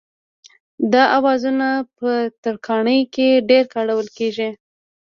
دا اوزارونه په ترکاڼۍ کې ډېر کارول کېږي.